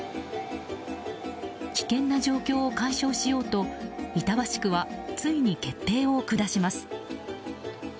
危険な状況を解消しようと板橋区はついに決定を下します。